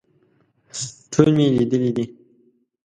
ټول مې لیدلي دي.